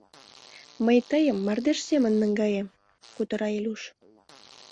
— Мый тыйым мардеж семын наҥгаем! — кутыра Илюш.